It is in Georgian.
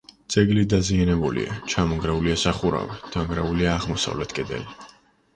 ძეგლი დაზიანებულია: ჩამონგრეულია სახურავი; დანგრეულია აღმოსავლეთ კედელი.